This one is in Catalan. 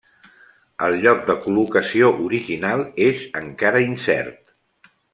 El lloc de col·locació original és encara incert.